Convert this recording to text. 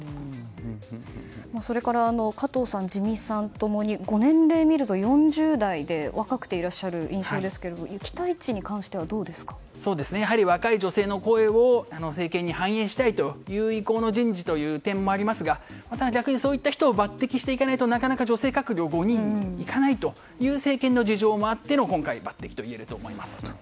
それから加藤さん、自見さん共にご年齢を見ると４０代と若くていらっしゃる印象ですが若い女性の声を政権に反映したいという意向の人事ということもありますが逆にそういった人を抜擢していかないとなかなか女性閣僚５人にいかないという政権の事情もあっての抜擢だといえると思います。